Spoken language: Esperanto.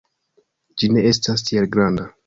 Ĝi ne estas tiel granda.